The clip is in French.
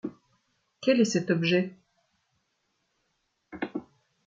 Quel est cet objet ?